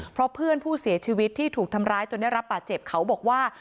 เพราะเพื่อนผู้เสียชีวิตที่ถูกทำร้ายจนได้รับบาดเจ็บเขาบอกว่า